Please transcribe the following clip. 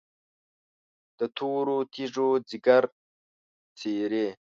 د تورو تیږو ځیګر څیري،